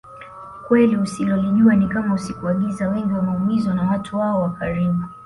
Kweli usilolijua Ni Kama usiku wa Giza wengi wameumizwa na watu wao wa karibu